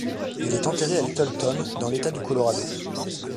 Il est enterré à Littleton, dans l'État du Colorado.